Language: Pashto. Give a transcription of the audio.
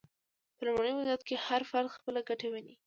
په لومړني وضعیت کې هر فرد خپله ګټه ویني.